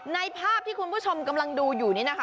ภาพที่คุณผู้ชมกำลังดูอยู่นี่นะคะ